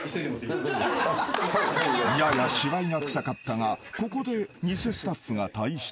［やや芝居がくさかったがここで偽スタッフが退室］